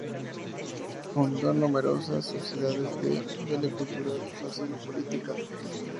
Fundó numerosas sociedades de índole cultural, social y política.